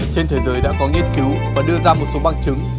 trên thế giới đã có nghiên cứu và đưa ra một số bằng chứng